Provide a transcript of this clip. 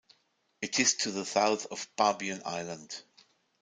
It is to the south of Bubiyan Island.